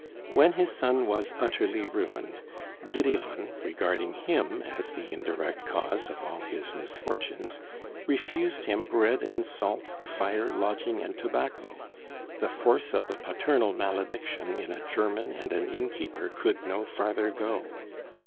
When his son was utterly ruined, Gideon, regarding him as the indirect cause of all his misfortunes, refused him bread and salt, fire, lodging, and tobacco the force of the paternal malediction in a German and an innkeeper could no farther go.